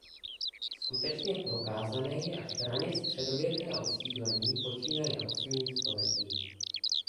Skutečně prokázané je až raně středověké osídlení počínaje osmým stoletím.